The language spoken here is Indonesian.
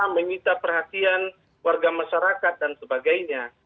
menyita perhatian warga masyarakat dan sebagainya